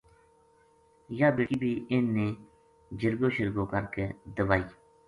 یاہ بیٹکی بھی ان نے جرگو شرگوکر کے دوائی